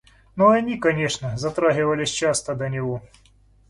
Но и они, конечно, затрагивались часто до него.